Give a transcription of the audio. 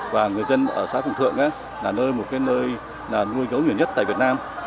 và người dân ở xã phùng thượng là nơi nuôi gấu nhiều nhất tại việt nam